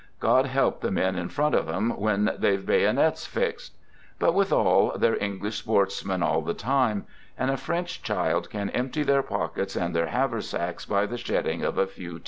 God help the men in front of them when they've bayonets fixed ! But withal they're English sportsmen all the time, and a French child can empty their pockets and their haversacks by the shedding of a few tears.